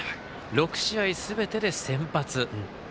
６試合すべてで先発。